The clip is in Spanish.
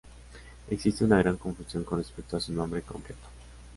Existe una gran confusión con respecto a su nombre completo.